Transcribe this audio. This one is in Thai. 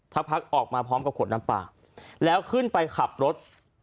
พักออกมาพร้อมกับขวดน้ำปลาแล้วขึ้นไปขับรถ